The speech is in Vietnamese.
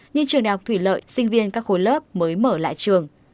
nhưng trường đại học thủy lợi sinh viên các khối lớp mới mở lại trường